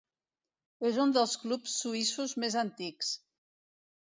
És un dels clubs suïssos més antics.